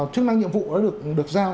chức năng nhiệm vụ đã được giao